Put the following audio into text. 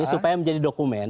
supaya menjadi dokumen